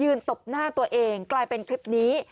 ตบหน้าตัวเองกลายเป็นคลิปนี้